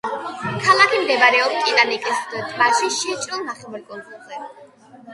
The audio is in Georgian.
ქალაქი მდებარეობს ტიტიკაკას ტბაში შეჭრილ ნახევარკუნძულზე.